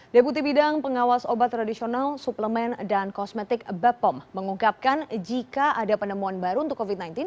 deputi bidang pengawas obat tradisional suplemen dan kosmetik bepom mengungkapkan jika ada penemuan baru untuk covid sembilan belas